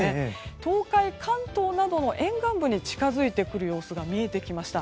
東海、関東などの沿岸部に近づいてくる様子が見えてきました。